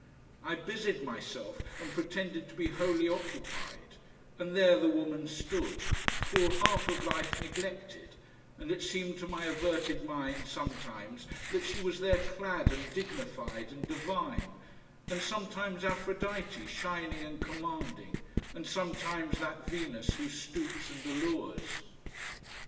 I busied myself and pretended to be wholly occupied, and there the woman stood, full half of life neglected, and it seemed to my averted mind sometimes that she was there clad and dignified and divine, and sometimes Aphrodite shining and commanding, and sometimes that Venus who stoops and allures.